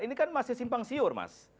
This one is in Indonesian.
ini kan masih simpang siur mas